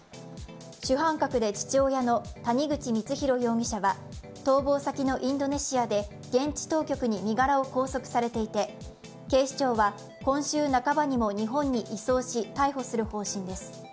主犯格で父親の谷口光弘容疑者は逃亡先のインドネシアで現地当局に身柄を拘束されていて警視庁は今週半ばにも日本に移送し、逮捕する方針です。